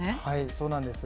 そうなんです。